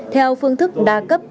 theo phương thức đa cấp